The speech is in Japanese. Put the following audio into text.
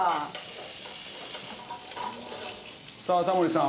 さあタモリさん